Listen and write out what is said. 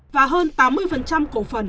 và hơn tám mươi cổ phần